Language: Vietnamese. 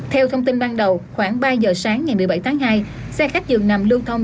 theo thông tin ban đầu khoảng ba giờ sáng ngày một mươi bảy tháng hai xe khách dường nằm lưu thông